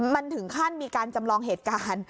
มันถึงขั้นมีการจำลองเหตุการณ์